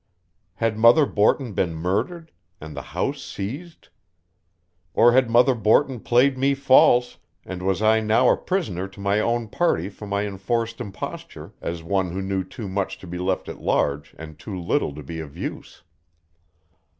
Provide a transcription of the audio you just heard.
Had Mother Borton been murdered, and the house seized? Or had Mother Borton played me false, and was I now a prisoner to my own party for my enforced imposture, as one who knew too much to be left at large and too little to be of use?